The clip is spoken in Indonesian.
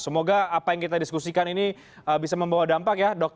semoga apa yang kita diskusikan ini bisa membawa dampak ya dok